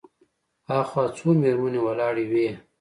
هاخوا څو مېرمنې ولاړې وې.